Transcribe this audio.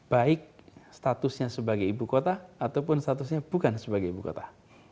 baik statusnya sebagai ibu kota ataupun statusnya bukan sebagai ibu kota